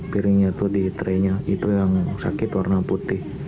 piringnya tuh di traynya itu yang sakit warna putih